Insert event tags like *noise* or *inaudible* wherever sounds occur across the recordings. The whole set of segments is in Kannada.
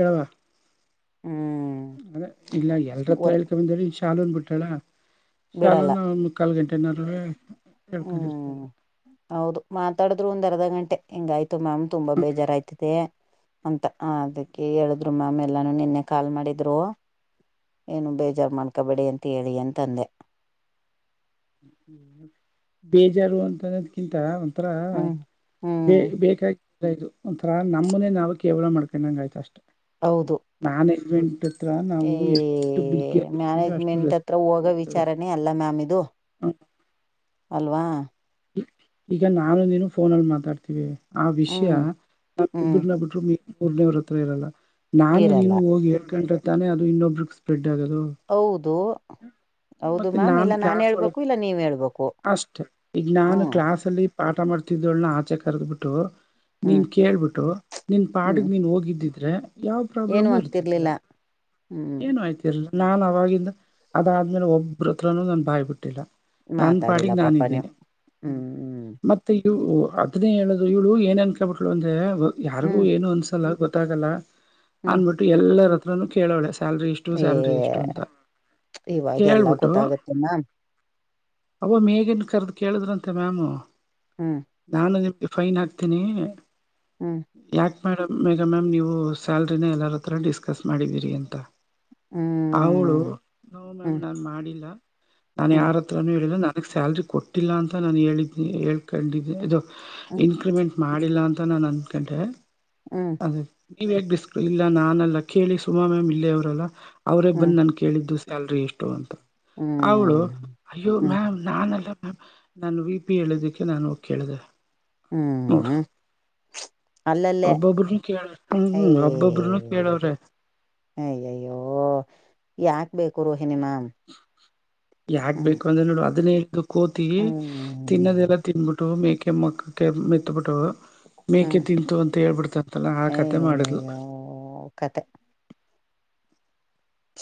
ಹ ಹ್ಮ್ ಅದೇ ಇಲ್ಲ ಎಲ್ರ ಹತ್ರ ಒತ್ ಹೇಳ್ಕೊಂಬಂದಿ ಇನು ಶಾಾಲ ಅಂದು ಬಿಟ್ಟಾಳ ಬಿಡಲ್ಲ ಶಾಲನ ಮುಕ್ಕಾಲು ಗಂಟೆನ ಹೇಳ್ಕಿರ್ತದೆ ಹ್ಮ್ ಹೌದು ಮಾತಾಡಿದ್ ಒಂದ್ ಅರ್ಧ ಗಂಟೆ ಹೆಂಗಾಯ್ತು ಮ್ಯಾಮ್ ತುಂಬಾ ಬೇಜಾರಾಯಯ್ತು ಹೇ ಅಂತ ಅದಕ್ಕೆ ಹೇಳಿದ್ರು ಮ್ಯಾಮ್ ಎಲ್ಲಾನು ನಿನ್ನೆ ಕಾಲ್ ಮಾಡಿದ್ರು ಏನು ಬೇಜಾರ ರ್ಮಾಡ್ಕಬೇಡಿ ಅಂತ ಹೇಳಿ ಅಂತಂದೆ ಬೇಜಾರು ಅಂತ ಕಿಂತ ಒಂಥರ ಹ್ಮ್ ಹ್ಮ್ ಬ ಬೇಕಾಗಿ ಇದು ಒಂಥರ ನಮ್ಮನೆ ನಾವವು ಕೇವಲ ಮಾಡ್ಕೊಂಡಂಗ ಆಯ್ತು ಅಷ್ಟೆ ಹೌದು ಮ್ಯಾನೇಜ್ಮೆಂಟ್ ಹತ್ರ ನಾವು ಈ ಎಷ್ಟು ಬಿಗ್ಗಿ ಆಗಿರ್ತೀವಿ ಅಷ್ಟು ರೆಸ್ಪೆಕ್ಟ್ ಆಗಿರ್ತದೆ ಎಲ್ಲ ಮ್ಯಾಮ ಇದು ಹ್ಮ ಅಲ್ವಾ ಈಗ ನಾನು ನೀನು ಫೋನಲ್ಲಿ ಮಾತಾಡ್ತಿವಿ ಆ ವಿಷಯ ಹ್ಮ್ ನಮ ಹ್ಮ್ ಇಬ್ರನ್ನ ಬಿಟ್ರು ಪೂರ್ನೇವ್ರ ಹತ್ರ ಇರಲ್ಲ ನಾನು ಇರಲ್ಲ ನೀನು ಹೋಗಿ ಹೇಡ್ಕೊಂಡ ತಾನೆ ಅದು ಇನ್ನೊಬ್ರ ಸ್ಪ್ರೆಡ್ ಆಗೋದು ಹೌದು ಹೌದು ಮತ್ತೆ ಮ್ಯಾಮ್ ನಾನ್ ಇಲ್ಲ ಕ್ಲಾಸ್ ಹೇಳ್ಬೇಕು ಒಳಗೆ ಇಲ್ಲ ನೀವ್ ಹೇಳ್ಬೇಕು ಅಷ್ಟೆ ಈಗ ನಾನು ಹ್ಮ್ ಕಕ್ಲಾಸ್ ಅಲ್ಲಿ ಪಾಠ ಮಾಡ್ತಿದ್ದವಳನ್ನ ಆಚೆ ಕರ್ದಬಿಟ್ಟು ಹ್ಮ್ ನೀನ್ ಕೇಳ್ಬಿಟ್ಟು ನಿನ್ ಹ್ಮ್ ಪಾಡಿಗೆ ನೀನ್ ಹೋಗಿದ್ದಿದ್ದ ರೆ ಯಾವ ಏನು ಪ್ರಾಬ್ಲಮು ಇರ್ತಿತಿಲ್ಲ ಆಗ್ತಿರ್ಲಿಲ್ಲ ಹ್ಮ್ ಏನು ಆಯ್ತು ನಾನ್ ಅವವಾಗಿಂದ ಅದಾದ್ಮೇಲೆ ಒಬ್ಬ್ರ ಹತ್ರನುೂ ನಾನನ್ ಬಾಯ್ಬ ಬಿಟ್ಟಿಲ್ಲ ನನ್ ಮಾತಾಡಿಲ್ಲ ಪಾಡಿಗೆ ನಾನು ಪಾಪ ನೀವು ಇದೀನಿ ಹ್ಮ್ ಮತ್ತೆ ಮತ್ತ ಇ ಅದನ್ನೇ ಹೇಳೋದು ಇಳು ಏನ ಅನ್ಕಳ್ಬಿಟ್ಳಲು ಅಂದ್ರೆ ಯಾರಿಗೂ ಹ್ಮ್ ಹ್ಮ್ ಏನು ಅನ್ಸಲ್ಲ ಗೊತ್ತಾಗಲ್ಲ ಹ್ಮ್ ಅನ್ಬಿಟ್ಟು ಎಲ್ಲರ ಹತ್ರನು ಕೇಳೋಳೆ ಸ್ಯಾಲ್ರಿ ಇಷ್ಟ ಎಷ್ಟು ಏ ಸ್ಯಲ್ರಿ ಎಷ್ಟು ಅಂತ ಇವಾಗ ಎಲ್ಲ ಕೇಳ್ಬಿಟ್ಟು ಗೊತ್ತಾಗತ್ತೆ ಅವ ಮೇಗನ್ ಕರೆದು ಕೇಳಿದ್ರಂತೆ ಮ್ಯಾಮು ಹ್ಮ್ ನಾನು ನಿಮ್ಗೆ ಫೈನ್ ಹಾಕ್ತೀನಿ ಹ್ಮ್ ಯಾಕ ಮೇಡಮ್ ಮೇಗ ಮ್ಯಾಮ್ ನೀವು ಸ್ಯಾಲ್ರಿನ ಎಲ್ಲಾರರ ಡಿಸ್ಕಸ್ ಮಾಡಿದೀರಿ ಅಂತ ಹ್ಮ್ ಅವಳು ನ ಮ್ಯಾಮ್ ಹ್ಮ್ ನಾನು ಮಾಡಿಲ್ಲ ನಾನು ಹ್ಮ್ ಯಾರತ್ರ ಹತ್ರ ಹೇಳಿದ ನನಗೆ ಸ್ಯಾಲ್ರಿ ಕೊಟ್ಟಿಲ್ಲ ಅಂತ ನಾನು ಹೇಳಿದ್ದನಿ ಹೇಕೊಂಡಿದ್ದನಿ ಇದು ಹ್ಮ್ ಇನ್ಕ್ರಿಮೆಂಟ್ ಮಾಡಿಲ್ಲ ಅಂತ ನಾನು ಅಂದ್ಕೊಂಡೆ ಹ್ಮ್ ಅ ನೀವ್ ಯಿಸ ಇಲ್ಲ ನಾನಲ್ಲ ಕೇಳಿ ಸುಮಾ ಮ್ಯಾಮ್ ಇಲ್ಲೇ ಅವ್ರಲ್ಲ ಅವರೇ ಹ್ಮ್ ಬಂದ್ ನನ್ ಕೇಳಿದ್ದು ಎಲ್ರಿ ಇಷ್ಟು ಅಂತ ಅವಳು ಹ್ಮ್ ಅಯ್ಯೋ ಹ್ಮ್ ಮ್ಯಾಮ್ ನಾನಲ್ಲ ಮ್ಯಾಮ್ ನಾನು ವಿ ಪಿ ಹೇಳದಕ್ಕೆ ನಾನು ಕೇಳಿದೆ ನ ಹ್ಮ್ ಅಲ್ಲಲ್ಲೇ ಒಬ್ಬೊಬ್್ರನು ಕೇಳ ಹ್ಮ್ ಅಯ ಹ್ಮ ಒಬ್ಬೊಬ್ಬ್ರನುೂ ಕೇಳವ್ರೆ ಅಏಯ್ಯಯ್ಯೋ ಯಾಕ್ ಬೇಕು ರೋಹಿಿನಿಮಾಮ್ ಯಾಕ್ಬೇಕು ಅಂದ್ರೆ ನೋಡು ಅದನ್ನೇ ಇ್ದು ಕೋತಿ ಹ್ಮ್ ತಿನ್ನದೆಲ್ಲ ತಿನ್ಬಿಟ್ಟವು ಮೇಕೆ ಮಕ್ಕಕ್ಕೆ ಮೆತ್ತಬಿಟ್ಟವು ಮೇಕೆ ಹ್ಮ್ ತಿಂತು ಅಂತ ಹೇಳ್ಬಿಡ್ತ ಅಂತಲ್ಲ ಆ ಕತೆೆ ಮಾಡಿದ್ಲು ಕತೆೆ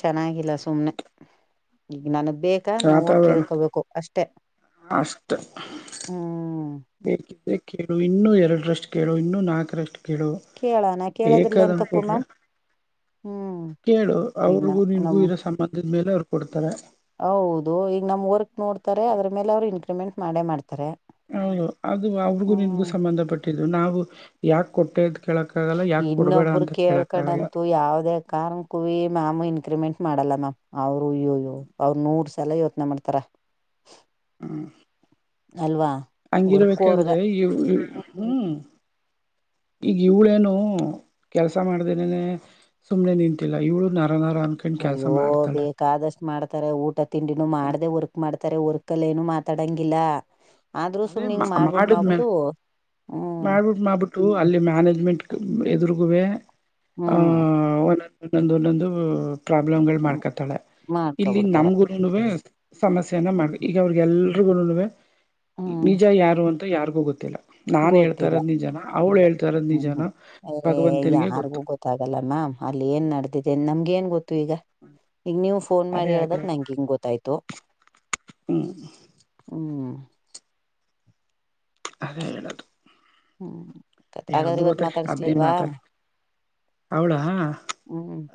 ಚೆನ್ನಾಗಿಲ್ಲ ಸುಮ್ನೆ ಈಗ ನನಗ್ ಬೇಕ ಅ ನಾವು ವಾತಾವರಣ ಕೇಳ್ಕೋಬೇಕು ಅಷ್ಟೆ ಅಷ್ಟ ಹ್ಮ್ ಬೇಕಿದ್ರೆ ಕೇಳು ಇನ್ನುೂ ಎರಡರಷ್ಟು ಕೇಳು ಇನ್ನುೂ ನಾಲ್ಕರಷ್ಟು ಕೇಳು ಕೇಳಣ ಕೇಳೋದ್ರಲ್ಲ ಏನ್ ತಪ್ಪು ಬೇಕಾದನ್ಕೂಡ್ಲ ಮ್ಯಾಮ್ ಹ್ಮ್ ಕೇಳು ಈಗ ನ ಅವ್ರಿಗೂ ನಿನ್ಗೂ ನಮ್ ಇರೋ ಸಂಬಂಧದ ಮೇಲೆ ಅವ್ರು ಕೊಡ್ತಾರೆ ಹೌದು ಈಗ ನಮ್ ವರ್ಕ್ ನೋಡ್ತಾರೆ ಅದ್ರ ಮೇಲೆ ಅವ್ರು ಇನ್ಕ್ರಿಮೆಂಟ್ ಮಾಡೇ ಮಾಡ್ತಾರೆ ಹೌದು ಅದು ಅವ್ರಿಗೂ ನಿಮಗೂ ಹ್ಮ್ ಸಂಬಂಧಪಟ್ಟ ಕೊಟ್ಟು ನಾವು ಯಾಕೆ ಕೊಟ್ಟದ ಇನ್ನೊಬ್ಬರು ಕೇಳ್ಕಣಂತು ಯಾವದ ಕಾರಣ ಕೂ ಮ್ಯಾಮ್ ಇನ್ಕ್ರಿಮೆಂಟ್ ಮಾಡಲ್ಲ ಮ್ಯಾಮ್ ಅವ್ರು ಅಯ್ಯಯ್ಯೋ ಅವ್ರ ನೂರ್ ಚಲ ಯೋತ್ನ ಮಾಡ್ತಾರ ಹ್ಮ್ ಅಲ್ವಾ ವರ್ಕ್ ಅವ್ರಗ ಹಂಗಿರಬೇಕಾದ್ರೆ ಇ ಹ್ಮ್ ಈಗ ಇವ್ಳೇನು ಕೆಲಸ ಮಾಡ್ದೇನನೆ ಸುಮ್ನೆ ನಿಂತಿಲ್ಲ ಇವಳು ನರ ನರ ಅಂತ ಅಯ್ಯೋ ಬ ಕಾದಷ್ಟು ಮಾಡ್ತಾರೆ ಊಟ ತಿಂಡಿನು ಮಾಡದೆ ವರ್ಕ್ ಮಾಡ್ತಾರೆ ವರ್ಕ್ಲ್ಲಿ ಏನು ಮಾತಾಡಂಗಿಲ್ಲ ಆದ್ರೂ ಅದೇ ಸುಮ್ನೆ ಹಿಂಗ್ ಮಾಡ್ಬಿಟ್ ಮಾಡಿದ್ಲೆ ಮಾಡ್ಬಿಟ್ಟು ಹ್ಮ್ ಮಾಡ್ಬಿಟ್ಟು ಮಾಡ್ಬಿಟ್ಟು ಅಲ್ಲಿ ಮ್ಯಾನೇಜ್ಮೆಂಟ್ ಎದುರುಗುವೆ ಹ್ಮ್ ಆಹ ಒಂದೊಂದ ಒಂದೊಂದು ಒಂದೊಂದು ಪ್ರಾಬ್ಲಮ್ ಗಳು ಮಾಡ್ಕೊತ್ತಾಳೆ ಇಲ್ಲಿ ಮಾಡ್ಕೊಬಿಡ್ತಾರೆ ನಮಗು ನುವೆ ಸಮಸ್ಯೆಯನ ಹ್ಮ್ ಮಾಡ ಈಗ ಅವ್ರಿಗೆ ಎಲ್ರಿಗೂ ನಡುವೆ ಹ್ಮ್ ನಿಜ ಯಾರು ಯಾರಿಗೂ ಗೊತ್ತಿಲ್ಲ ನಾನ್ ಗೊತ್ತಿಲ್ಲ ಹೇಳ್ತಾರದ್ ನಿಜನ ಅವ್ಳು ಹೇಳ್ತಾರದ್ ಹ್ಮ್ ನಿಜನ ಹ್ಮ್ ಏ ಭಗವಂತನಿಗೆ ಗೊತ್ತು ಯಾರಿಗೂ ಗೊತ್ತಾಗಲ್ಲ ಮ್ಯಾಮ್ ಅಲ್ಲಿ ಏನ್ ನಡೆದಿದೆ ನಮ್ಗೆ ಏನ್ ಗೊತ್ತು ಈಗ ಈಗ ನೀವು ಫೋನ್ ಮಾಡಿ ಅದೇ ಹಾಗೆ ಹೇಳ್ದಾಗ ನಂಗೆ ಹಿಂಗ್ ಗೊತ್ತಾಯ್ತು ಹ್ಮ್ ಹ್ಮ್ ಅದ ಹೇಳದು ಹ್ಮ್ ಹಾಗಾದ್ರೆ ಇವತ್ ಅಪರೂಪಕ್ಕೆ ಮಾತಾಡ್ಸಲ್ವಾ ಅವಳ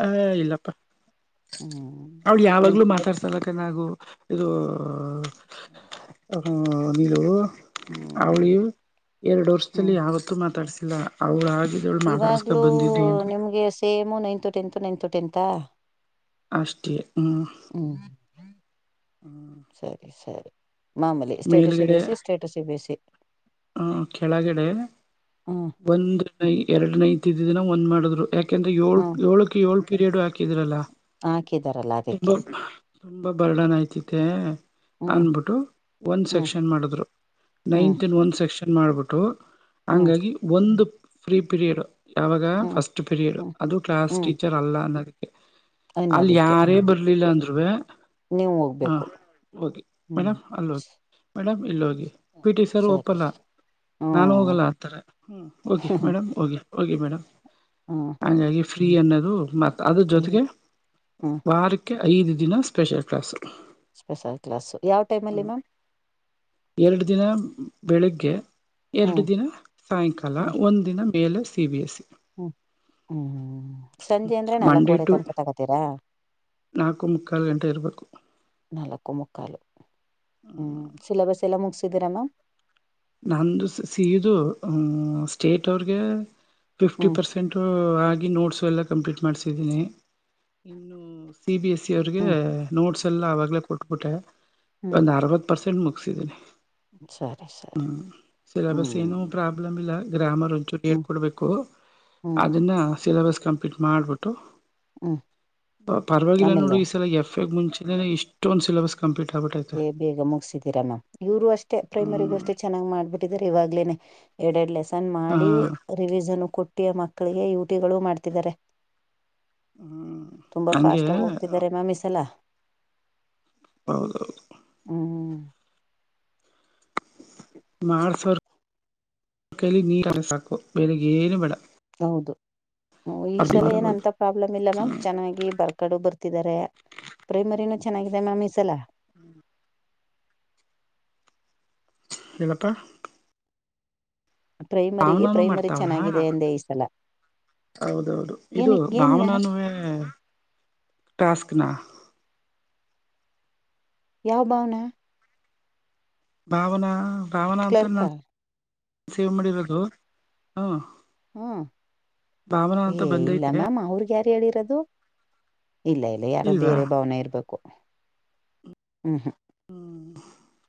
ಆ ಇಲ್ಲಪ್ಪ ಹ್ಮ್ ಅವಳ ನಿಮ್ ಯಾವಾಗ್ಲುೂ ಮಾತಾಡ್ತ ತಲಕನ್ಗು ಇದು ನೀರು ಅವಳಿ ಹ್ಮ್ ಎರಡು ಹ್ಮ್ ವರ್ಷದಲ್ಲಿ ಆಾವತ್ತುೂ ಮಾತಾಡ್ಸಿಲ್ಲ ಅವಳ ಮಹಾರಸ್ಸ ಇವಾಗ್ಲೂ ಬಂದಿ ದ ನಿಮ್ಗೆ ಸೇಮು ನೈನ್ತ್ ಟೆತ್ ನೈನ್ತ್ ಟತ್ ಅಷ್ಟತಿ ಹ್ಞ ಹ್ಮ್ ಸರಿ ಸರಿ ಮಾಮೂಲಿ status ಬೇಸಿಸಸ್ status C B C ಹ ಕೆಳಗಡೆ ಹ್ಮ್ ಒಂದ್ ನೈ ಎರಡು ನೈ ತ್ದಿದಿನ ಒಂದ್ ಮಾಡಿದ್ರು ಯಾಕ ಯಾಕೆಂದ್ರೆ ಏಳ್ ಹ್ಮ್ ಏಳಕ್ಕೆ ಏಳ್ ಪೀರಿಯಡ್ ಹಾಕಿದ್ರಲ್ಲ ಹಾಕಿದಾರಲ್ಲ ಅದಕ್ಕೆ ತುಂಬಾ ತುಂಬಾ ಬರ್ಡನ್ ಆಯ್ತಿತೆ ಹ್ಮ್ ಅಂದಬಿಟ್ಟು ಒಂದ ಹ್ಮ್ ಸೆಕ್ಷನ್ ಮಾಡಿದ್ರು ಹ್ಮ್ ನೈನ್ತ್ನ್ ಒಂದ ಸೆಕ್ಷನ್ ಮಾಡ್ಬಿಟ್ಟು ಹ್ಮ್ ಹಂಗಾಗಿ ಒಂದು ಫ್ರೀ ಪಿರಿಯಡ್ ಯಾವಾಗ ಹ್ಮ್ ಫಸ್ಟ್ ಪೀರಿಡ್ ಹ್ಮ್ ಅದು ಕ್ಲಾಸ್ ಹ್ಮ್ ಟೀಚರ್ ಅಲ್ಲ ಅನ್ನದಕ್ಕೆ ಅಲ್ ಅನ್ನೋದಕ್ಕೆ ಹ್ಮ್ ಯಾರೇ ಬರ್ಲಿಲ್ಲ ಅಂದ್ ನೀವು ಹಾ ಹೋಗ್ಬೇಕು ಓೆ ಹ್ಮ್ ಮೇಡ್ ಅಲ್ಲಿ ಹೋಗಿ ಮೇಡಮ್ ಇಲ್ಲಿ ಹೋಗಿ ಪಿ ಟಿ ಸರ್ ಸರಿ ತಪ್ಪಲ್ಲ ನಾನು ಹ್ಮ್ ಹೋಗಲ್ಲ ಆಥಾರೆ ಹ್ಞೂ ಓಕೆ ಮೇಡಮ್ ಓೋಗೆ ಓಕೆ ಮೇಡಮ್ ಹಾ ಹಂಗಾಗಿ ಫ್ರೀ ಅನ್ನೋದು ಮ ಅದ್ರ ಇಲ್ ಜೊತೆಗೆ ಹ್ಮ್ ವಾರ ಓಕೆ ಐದು ದಿನ ಸ್ಪೆಷಲ್ ಕ್ಲಾಸು ಸ್ಪೆಷಲ್ ಕ್ಲಾಸ್ು ಯಾವ ಟೈಮಲ್ಲಿ ಮ್ಯಾಮ್ ಎರಡು ದಿನ ಬೆಳಿಗ್ಗೆ ಎರಡು ಹ್ಮ್ ದಿನ ಸಾಯಂಕಾಲ ಒಂದುಿನ ಮೇಲೆ ಸಿ ಬಿ ಎಸ್ ಸಿ ಹ್ಮ್ ಹ್ಮ್ ಹ್ಮ್ ಸಂಜೆ ಅಂದ್ರೆ ಮಂಡೇ ನಾಲ್ಕವರೆ ಟು ತನಕ ತಗೋತೀರಾ ನಾಲ್ಕು ಮುಕ್ಕಾಲು ಗಂಟೆ ಇರಬೇಕು ನಾಲ್ಕು ಮುಕ್ಕಾಲು ಹ ಸಿಲಬಸ್ ಎಲ್ಲ ಮುಗಸಿದ್ದೀರಾ ಅಲ್ಲ ನಂದು ಸಿದು ಸ್ಟೇಟ್ ಅವ್ರಗೆ ಫಿಫ್ಟಿ ಹ್ಮ್ ಪರ್ಸೆಂಟ್ ಂಟ ಆಗಿ ನೋಟ್ಸು ಎಲ್ಲ ಕಂಪ್ಲೀಟ್ ಮಾಡಸಿದ್ದೀನಿ ಇನ್ನು ಸಿ ಬಿ ಎಸ್ ಸಿ ಅವ್ರಿಗೆ ಹ್ಮ್ ನೋಟ್ಸ್ ಎಲ್ಲ ಆವಾಗಲೇ ಕೊಟ್ಬಿಟ್ಟೆ ಹ್ಮ್ ಒಂದು ಅರವತ್ತು ಪರ್ಸೆಂಟ್ ಮುಗಿಸಿದ್ದನಿ ಸರಿ ಸರಿ ಹ್ ಸೆಬಸ್ಸಏನವು ಹ್ಮ್ ಪ್ರಾಪ್ತ *unintelligible* ಅ *inaudible* ಗ್ರಾಮರಂಚುರು ಹ್ಮ್ ಹೇಳಿಕೊಡಬೇಕು ಹ್ಮ್ ಅದನ್ನ ಸಿಲಬಸ್ ಕಂಪ್ಲೀಟ್ ರಿಪೀಟ್ ಮಾಡ್ಬಿಟ್ಟು ಹ್ಮ್ ಪರವಾಗಿಲ್ಲ ನೋಡು ಆಮೇಲೆ ಈ ಸಲ ಎಫ್ ಎ ಮುಂಚ ಇಷ್ಟ ಇಷ್ಟಂದನ್ ಸಿಲೆಬಸ್ ಕಂಪ್ಲೀಟ್ ಆಬಟ್ಟೈತೆ ಬೇಗ ಮುಗಸಿದೀರ ನ್ ಇವ್ರು ಅಷ್ಟೇ ಪ್ರೈಮರಿಗೂ ಹ್ಮ್ ಅಷ್ಟೆ ಚೆನ್ನ್ ಮಾಡ್ಬಿಟ್ಟಿದಿದ್ದಾರೆ ಇವಾಗ್ಲೇನೆ ಎರಡೆ ಎರಡ್ ಲೆಸ ತನ್ ಹ ಮಾಡಿ ರಿವಿಸನ್ ಕೊಟ್ಟಿ ಮಕ್ಕಳಿಗೆ ಯುಟಿ ಗಳು ಮಾಡ್ತಿದ್ದಾರೆ ಹ್ಮ್ ತುಂಬಾ ಹಂಗೆ ಫಾಸ್ಟ್ ಆಗ ಹೋಗ್ತಿದ್ದಾರೆ ಮಾಮೀ್ಲ ಹೌದುದು ಹ್ಮ್ ಮಾಡ ಸಾವಿರ್ ಕೈಲಿ ನೀರ್ ಸಾಕು ಬೆೇರೆಗ್ ಏನು ಬೇಡ ಹೌದು ಈ ಸಲ ಏನಂತ ಪ್ರಾಬ್ಲಮ್ ಇಲ್ಲ ಮ್ಯಾಮ್ ಚೆನ್ನಾಗಿ ಬರ್ ಕಡು ಬರ್ತಿದ್ದಾರೆ ಪ್ರೈಮರಿನೂ ಚೆನ್ನಾಗಿದೆ ಮ್ಯಾಮ್ ಈಸಲ ಹ್ಮ್ *inaudible* ನಿಿನಪ್ಪ ಪ್ರೈಮರಿ ಭಾವನಾನು ಪ್ರೈಮರಿ ಮಾಡ್ತಾವಳ ಚೆನ್ನಾಗಿದೆ ಎಂದೇ ಈ ಸಲ ಹೌದೌದು ಇದು ಏನಕ್ ಏನ್ ಭಾವನನೇ ಟಾಸ್ಕ್ನ ಯಾವ ಭಾವನಾ ಭಾವನಾ ಭಾವನಾ ಅಂತ ಕ್ಲರ್ಕಾ ನನ್ು ಸೇವ್ ಮಾಡಿರೋದು ಹ ಹ್ಮ ಏ ಇಲ್ಲ ಬಂದೈತೆ ಮ್ಯಾಮ್ ಅವ್ರಗ ಯ ಹೇಳಿರೋದು ಇಲ್ಲ ಇಲ್ಲ ಯಾರು ಇಲ್ವಾ ಬೇರೆ ಭಾವನೆ ಇರ್ಬೇಕು ಹ್ಮಂ ಹ್ಮ ಹ್ಮ್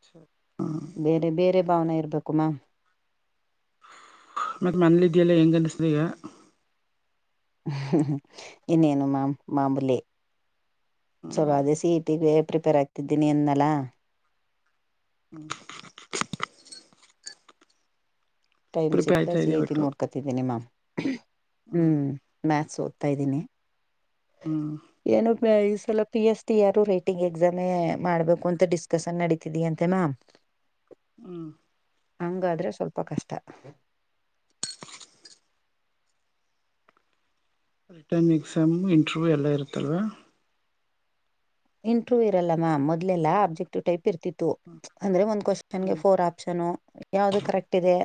ಸರಿ ಹ್ಮ್ ಬೇರೆ ಬೇರೆ ಭಾವನೆ ಇರಬೇಕು ಮಾ ಮತ್ತೆ ಮನಲ ಇದೆಯಲ್ಲ ಹೆಂಗೆ ಅನ್ನಿಸ್ತ ಈಗ ಇನ್ನೇನು ಮಾಮ್ ಮಾಂಬೂಲೆ ಸಲ್ ಹ್ಮ್ ಅದೇ ಸಿ ಇಟಿಗೆ ಪ್ರಿಪೇರ್ ಆಗ್ತಿದ್ದೀನಿ ಅನ್ನಲ್ಲಾ ಹ್ಮ್ *unintelligible* ಟೈಮ್ ಪ್ರಿಪೇರ್ ಸಿಕ್ತಾ ಆಯ್ತಾ ಸಿ ಇದೆಯ ಇ ಟಿ ಒಟ್ಟು ನೋಡ್ಕೊತಿದ್ದೀನಿ ಮ್ಯಾಮ್ ಹ್ ಹ್ಮ್ ಮ್ಯಾಥ್ಸ್ ಓದ್ತಾ ಇದ್ದೀನಿ ಹ್ಮ ಏನು ಈ ಸಲ ಪಿ ಎಸ್ ಟಿ ಯಾರು ರೇಟಿಂಗ್ ಎಕ್ಸಾಮೇ ಮಾಡ್ಬೇಕು ಅಂತ ಡಿಸ್ಕಸನ್ ನಡೀತಿದೀ ಅಂತೆ ಮ್ಯಾಮ್ *inaudible* ಹ್ಮ್ ಹಂಗಾದ್ರೆ ಸ್ವಲ್ಪ ಕಷ್ಟ ರಿಟರ್ನ್ ಎಕ್ಸಾಮ್ ಇಂಟರ್ವ್ಯೂ ಎಲ್ಲ ಇರುತ್ತಲ್ವ ಇಂಟ್ರವ ಇರಲ್ಲ ಮ್ಯಾಮ ಮೊದಲೆಲ್ಲ ಅಬ್ಜೆಕ್ಟಿವ್ ೈಪ್ ಇರ್ತಿತ್ತು ಅಂದ್ರೆ ಒಂದ್ ಕ್ವನ್ಗೆ ಹ್ಮ್ ಫೋರ್ ಆಪ್ಷನ್ ಯಾವ್ದು ಕರೆಕ್ಟ್ ಇದೆ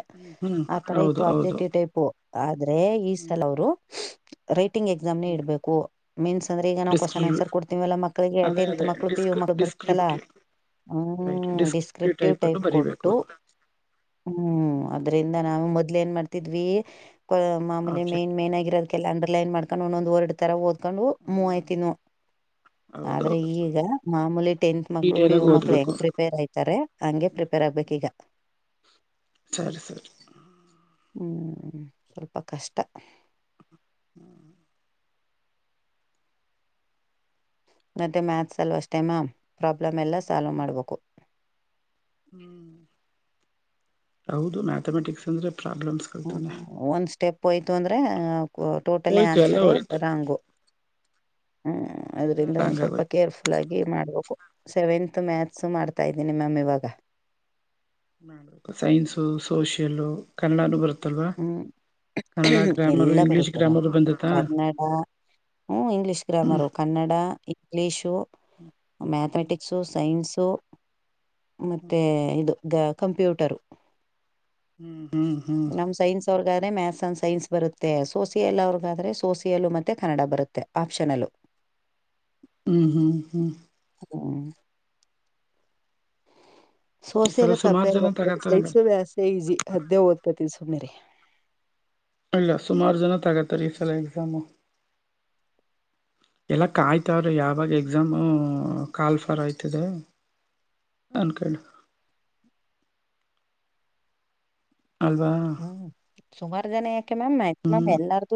ಹ್ಮ್ ಆತರ ಹೌದು ಇತ್ತು ಹೌದು ಅಬ್ಜೆಕ್ಟಿವ್ ಟೈಪ್ ಆದ್ರೆ ಈ ಸಲ ಅವರು ರೈಟಿಂಗ್ ಎಕ್ಸಾಮ್ ನ ಇಬೇಕು ಮೀನ್ಸ್ಂದ್ರ ಈಗ ನಾವು ಡಿಸ್ಕ್ರಿ ಕ್ವಶ್ನ್ರ್ ಕೊಡ್ತೀವಲ್ಲ ಮಕ್ಕ ಗೆ ಅದೇ ಟೆಂತ್ ಅದೇ ಮಕ್ಕಳು ಪಿ ಯು ಡಿಸ್ಕ್ ಮರ ಬರ್ತ್ತಲ್ಲಾ ಡಿಸ್ಕ್ರಿಪ್ಟಿವ್ ರೈಟ್ ಹ್ಮ್ ಡಿಸ್ಕ್ರಿಪ್ಟಿವ್ ಟೈಪ್ ಕೊಟ್ಟು ಹ್ಮ್ ಅದ್ರಿಂದ ನಾವು ಮೊದ್ಲ ಏನ್ ಮಾಡ್ತಿದ್ವಿ ಮಾಮೇಲೆ ಆಬ್ಜೆಕ್ಟ್ ಮೈನ್ ಮೇನ್ ಆಗಿರೋದ ಲ್ಲ ಅಂಡರ್ಲೈನ್ ಮಾಡ್ಡು ಒಂದೊಂದು್ರಡ್ ತರ ಓದಕೊಂಡು ಮೂವಯ್ತಿವು ಆದ್ರೆ ಹೌದೌದು ಈಗ ಮಾಮೂಲಿ ಟೆಂತ್ ಮಕ್ಳು ಡೀಟೇಲ್ ಪಿ ಯ ಆಗಿ ಮಕ್ಳು ಓದ್ಬೇಕು ಹೆಂಗ್ ಪ್ರಿಪೇರ್ ಆಯತಾರೆ ಹಂಗೆ ಪ್ರಿಪೇರ್ ಆಗ್ಬೇಕಕ್ ಈಗ ಸರಿ ಸರಿ ಹ್ಮಞ ಸ್ವಲ್ಪ ಕಷ್ಟ ಹ್ಮ್ ಮತ್ತೆ ಮ್ಯಾಥ್ಸಲ್ಲಿ ಅಷ್ಟ ಟೈಮ ಪ್ರಾಬ್ಲಮ್ ಎಲ್ಲ ಸಾಲ್ವ್ ಮಾಡ್ಬೇಕು ಹ್ಮ್ ಹೌದು ಮ್ಯಾಥಮೆಟಿಕ್ಸ್ ಅಂದ್ರೆ ಪ್ರಾಬ್ಲಮ್ಸ್ ಹ ಒಂದ್ ಸ್ಟೆಪ್ ಹೋಯ್ತು ಅಂದ್ರೆ ಟೋಟಲಿ ಹೋಯ್ತು ಎಲ್ಲ ಆನ್ಸರ ಹೋಯ್ತು ರಾಂಗು ಹ್ಮ್ ಎಲ್ಲ ಅದ್ರಿಂದ ಒಂದ ರಾಂಗ್ ಸ್ವಲ್ಪ ಆಗೋಯ್ತು ಕೇರ್ಫುಲ್ ಗ ಮಾಡ್ಬೇಕು ಸೆವೆಂತ್ ಮ್ಯಾಥ್ಸ್ ಮಾಡ್ತಾ ಇದ್ದೀನಿ ಮ್ಯಾಮ್ ಇವಾಗ ನ ಸೈನ್ಸ ಸೋಷಿಯಲ್ ಕನ್ನಡಾನು ಬರುತ್ತ ಹ್ಮ್ ಎಲ್ಲ ಇಂಗ್ಲಿಷ್ ಬರುತ್ತೆ ನ ಗ್ರಾಮರು ಬಂದತಾ ಕನ್ನಡ ಹ್ಮ ಇಂಗ್ಲಿೀಷ್ ಗ್ರಾಮರ್ ಹೋಗ ಕನ್ನಡ ಇಂಗ್ಲೀಷು ಮ್ಯಾಥಮೆಟಿಕ್ಸು ಸೈನ್ಸು ಮತ್ತೆ ಇದು ದ ಕಂಪ್ಯೂಟರು ಹ್ಮ್ ಹ್ಮ್ ಹ್ಮ್ ನಮ್ ಸೈನ್ಸ್ ಅವ್ರಿಗಾದ್ರೆ ಮ್ಯಾಥಸ್ ಅಂಡ್ ಸೈನ್ಸ್ ಬರುತ್ತೆ ಸೋಸಿಯಲ್ ಅವ್ರಿಗಾದ್ರೆ ಸೋಸಿಯಲ್ ಮತ್ತೆ ಕನ್ನಡ ಬರುತ್ತೆ ಆಪ್ಷನಲು ಹ್ಮ್ ಹ್ಮ್ ಹ್ಮ್ ಹ್ಮ ಈ ಸಲ ಸೋಸೆಲ್ಲ ಸುಮಾರು ಕಂಪೇರ್ ಜನ ಬತ ತಗತಾರ ಸ್ಸ ವ್ಯಸ್ ಈಸಿ ಅದೇ ಓದ್ತಿ ಸು್ನೆರಿ ಇಲ್ಲ ಸುಮಾರು ಜನ ತಗತ್ತಾರೆ ಈ ಸಲ ಎಕ್ಸಾಮು ಹ ಎಲ್ಲ ಕಾಯ್ತಾವ್ರೀ ಯಾವಾಗ ಎಕ್ಸಾಮು ಕಾಲ್ಫರ್ ಆಯ್ತದೆ ಅಂದಕಳಿ ಅೌದಾ ಹ್ಮ ಸುಮಾರು ಜನ ಯಾಕೆ ಮ್ಯಾಮ್ ಮ್ಯಾಕ್ಸಿಮಮ್ ಎಲ್ಲಾರ್ದು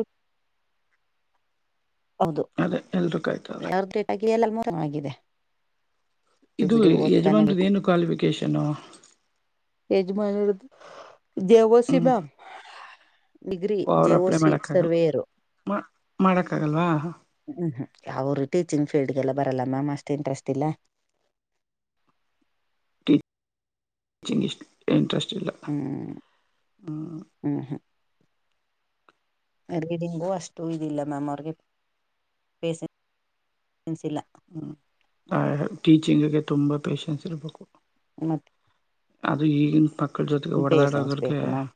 ಹೌದು ಅದೇ ಎಲ್ರೂ ಕಾಯ್ತವ್ರ ಯಾರದ್ರೇಕಾಗಿ ಎಲ್ಲ ಮ ಆಾಗಿದೆ ಇದು ಯಜಮಾನ್ರದ ಏನು ಕ್ವಾಲಿಫಿಕೇಶನ್ ಎಜ ಮಾಡ ದೇವಸಿ ಹ್ಮ್ ಮ್ಯಾಮ್ ಡಿಗ್ರಿ ಅವ್ರು ಜೆಓ ಅಪ್ಲೈ ಸಿಿ ಮಾಡಕ್ ಆಗಲ್ಲ ಸರ್ವೇಯರು ಮಾಡಕ್ ಆಗಲ್ವಾ ಹ್ಮ್ ಹ್ಮ್ ಅವರು ಟೀಚಿಂಗ್ ಫೀಲ್ಡ್ಗೆಲ್ಲ ಬರಲ್ಲ ಮಾಮ್ ಅಷ್ಟು ಇಂಟ್ರೆಸ್ಟ್ ಇಲ್ಲ ಕೀಚಿಂಗ್ ಇಷ್ಟ ಇಂಟ್ರೆಸ್ಟ್ ಇಲ್ಲ ಹ್ಮ್ ಹ್ಮ್ ಹ್ಮ್ ಅಡಿ ಗೆಂಗು ಅಷ್ಟು ಇದಿಲ್ಲ ಮ್ಯಾಮ್ ಪೆಸ್ಸೆಸ್ ಇಲ್ಲ ಹ ಟೀಚಿಂಗಗೆ ತುಂಬ ಪೇೇಶನ್ಸ್ ಇರಬೇಕು ಮತ್ ಅದು ಈಗಿನ ಮಕ್ಕಳ ಜೊತೆಗೆ ಪೇಶನ್ಸ್ ಹೊಡೆದಾಡಗಳಿಗೆ ಬೇಕು ಮ್ಯಾಮ್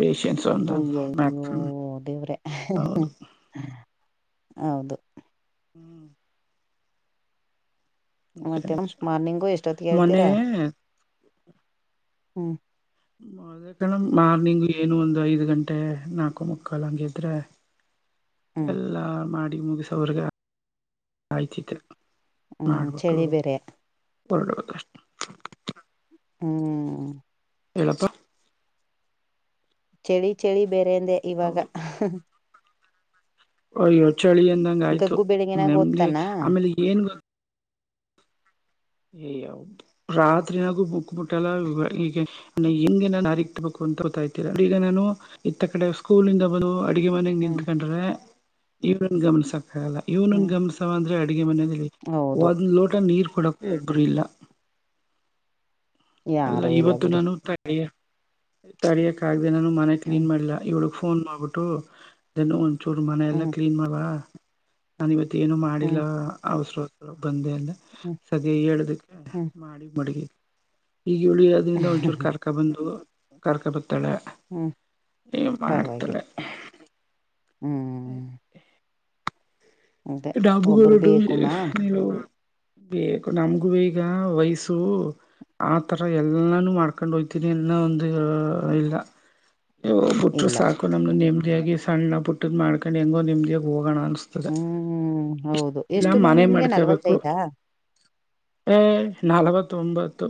ಪಷನ್ಸ್ ಒಂದು ಅಯ್ಯೋ ಅಯ್ಯೋ ಮ್ಯಾಕ್ಸಿಮಮ್ ದೇವ್ರೆ ಹೌದು ಹ್ಮ್ ಹೌದು ಹ್ಮ್ ನಿಜ ಮತ್ತೆ ನಿಜ ಮಾರ್ನಿಂಗು ಎಷ್ಟೊತ್ತ ಮೊನ್ನೆ ಕೇಳ್ತೀರಾ ಹ್ಮ್ ಅದ ಕಣ್ ಮಾರ್ನಿಂಗ್ ಏನು ಒಂದು್ ಐದ್ ಗಂಟೆ ನಾಲ್ಕು ಮುಕ್ಕಾಲ್ ಹಂಗಿದ್ರೆ *inaudible* ಎಲ್ಲಾ ಮಾಡಿ ಮುಗಸೋವ್ರಗ ಆಯ್ತ್ ತಿ ಹ್ಮ್ ಮಾಡ್ಬಿಟ್ಟು ಚಳಿ ಬೇರೆ ಹೊರಡಬೇಕಷ್ಟೆ ಹ್ಮ್ ಹ್ಮ್ ಹೇಳಪ್ಪಾ ಚಳಿ ಚಳಿ ಬೇರೆಂದೆ ಇವಾಗ ಹೌದು ಯೋ ಚಳಿ ಅಂದಂಗ ಆಯ್ತು ಗಗ್ಗು ಬೆಳಿಗ್ಗೆನಾಗ ನಿಮ್ಗೆ ಓದ್ತಾನ ಆಮೇಲೆ ಏನ್ ಗೊತ್ತ ಅಯ್ಯ ರಾತ್ರಿಯಗು ಮುಕ್ಬಿಟ್ಟಲ್ಲ ಈಗೆ ನ ಹಿಂಗೆ ನಾನು ಹರಿಗ್ತಬೇಕು ಅಂತ ಗತಾ ಇತೀರ ಈಗ ನಾನು ಇತ್ತ ಕಡೆ ಸ್ಕೂಲ್ಂದ ಬಂದು ಅಡುಗೆ ಮನಗ್ ಹ್ಮ್ ನಿತ್ಕೊಂಡ್ರೆ ಇವ್ರನ್ ಗಮನಿಸಕ್ಕ ಆಲ್ಲ ಇವನೊಂದ ಹ್ಮ್ ಗಮಸ ಅಂದ್ರೆ ಅಡಗೆ ಮನದಲ್ಲಿ ಹೌದು ಒಂದ್ ಲೋಟ ನೀರ್ ಕೊಡಕ ಒಬ್ಬರು ಇಲ್ಲ ಅಲ್ಲ ಯಾರು ಇಲ್ಲ ಇವತ್ತು ಬಿಡಿ ನಾನು ತ ತಡಿಯ ತಡಿಯಕ್ ಆಗ್ದ ನಾನು ಮನೆ ಹ್ಮ್ ಕ್ಲೀನ್ ಮಾಡಿಲ್ಲ ಇವಳಗ್ ಫೋನ್ ಮಾಡ್ಬಿಟ್ಟು ಇದನ್ನು ಒಂಚೂರು ಮನ ಎಲ್ಲ ಹ್ಮ್ ಕ್ಲೀನ್ ಮಾಡುವ ನಾನ ಇವತ್ತ ಏನು ಮಾಡಿಲ್ಲ ಹ್ಮ್ ಅವಸರ ಬಂದೆ ಅಲ್ಲ ಹ್ಮ್ ಸದ ಹೇಳದಕ್ಕೆ ಹ್ಮ್ ಮಾಡಿ ಮಡಗ ಈಗ ಉಳಿ ಅದ್ರಿಂದ ಒಂಚೂರು ಹ್ಮ್ ಕಾರ್ಕ ಬಂದು ಕಾರ್ಕ ಬತ್ತಾಳೆ ಹ್ಮ್ ಏ ಮಾಡ್ತರ ಪರವಾಗಿಲ್ಲ ಹ್ಮ್ ಹ ಅದೇ ಡಾಬು ಕೋಡು ಒಬ್ರು ಬೇಕು ಮ್ಯಾಮ್ ನೀ ಬೇಕು ನಮಗು ಬ ಈಗ ವಯಸ್ಸು ಆತರ ಎಲ್ಲಾನು ಮಾಡ್ಕೊಂಡ್ ಹಯ್ತೀನಿ ಅನ್ನೋ ಒಂದು ಇಲ್ಲ ಬುಟ್ಟರು ಇಲ್ಲ ಸಾಕು ನಮ್ದು ನೆಮ್ಮದಿಯಾಗಿ ಸಣ್ಣ ಬುಟ್ಟದ್ ಮಾಡ್ಕೊಂಡು ಹೆಂಗೋ ನೆಮ್ಮದಿಯಾಗಿ ಹೋಗೋಣ ಅನ್ಸ್ತೆ ಹ್ಮ್ ಹೌದು ಎಷ್ಟು ಮ್ಯಾಮ್ ಮನೆ ನಿಮ್ಗೆ ಮಾಡ್ಕೋಬೇಕು ನಲ್ವತ್ತೈದಾ ಏ ನಲ್ವತ್ತೊಂಬತ್ತು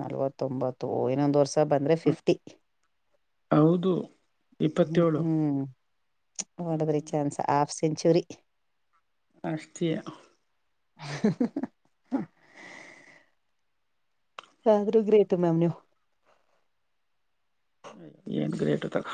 ನಲ್ವತ್ತೊಂಬತ್ತು ಹೊಂದು ವರ್ಷ ಬಂದ್ರೆ ಫಫ್ಟಿ ಹೌದು ಇಪ್ಪತ್ತೇಳು ಹ್ಮ ನಡದ್ರಿ ಚಾನ್ಸ್ ಹಾಫ್ ಸೆಂಚುರಿ ಅಷ್ಟತಿ ಹ ಹ ಆದ್ರೂ ಗ್ರೇಟ್ ಮ್ಯಾಮ್ ನೀವು ಪ ಎ ಗ್ರೇಟ್ ತ